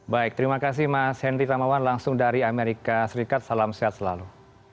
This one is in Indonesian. baik terima kasih mas henry tamawan langsung dari amerika serikat salam sehat selalu